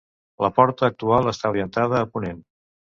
La porta actual està orientada a ponent.